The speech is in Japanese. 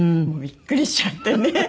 びっくりしちゃってね。